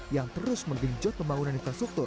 yang terus menggenjot pembangunan infrastruktur